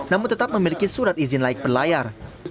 namun tetap memiliki surat izin laik berlayar